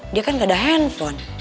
dia kan gak ada handphone